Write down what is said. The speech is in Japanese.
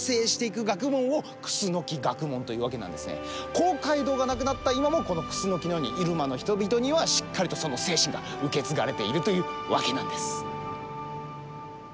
公会堂がなくなった今もこのクスノキのように入間の人々にはしっかりとその精神が受け継がれているというわけなんです。